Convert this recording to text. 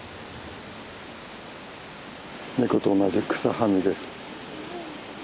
ネコと同じ草はみです。